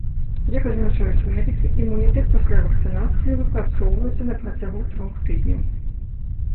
Як адзначаюць медыкі, імунітэт пасля вакцынацыі выпрацоўваецца на працягу трох тыдняў.